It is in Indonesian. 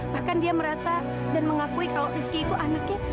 bahkan dia merasa dan mengakui kalau rizky itu anaknya